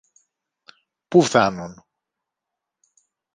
Πού φθάνουν;